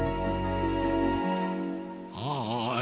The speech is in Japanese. はい！